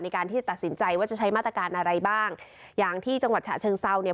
ในการที่จะตัดสินใจว่าจะใช้มาตรการอะไรบ้างอย่างที่จังหวัดฉะเชิงเซาเนี่ย